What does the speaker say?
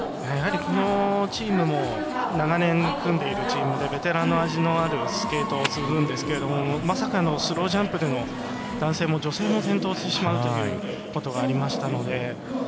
やはり、このチームも長年組んでいるチームでベテランの味のあるスケートをするんですけれどもまさかの、スロージャンプでの男性も女性も転倒してしまうということがありましたので。